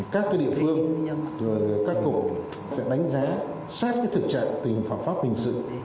các địa phương các cụ sẽ đánh giá sát thực trạng tình phạm pháp hình sự